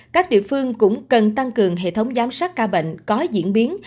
các địa phương cũng cần tăng cường hệ thống giám sát ca bệnh có diễn biến